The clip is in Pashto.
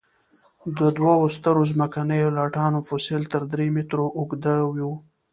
د دوو سترو ځمکنیو لټانو فسیل تر درې مترو اوږده وو.